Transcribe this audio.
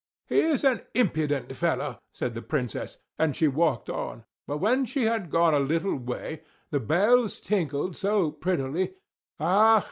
"He is an impudent fellow!" said the Princess, and she walked on; but when she had gone a little way, the bells tinkled so prettily "Ach!